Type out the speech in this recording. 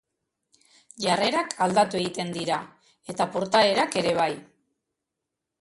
Jarrerak aldatu egiten dira, eta portaerak ere bai.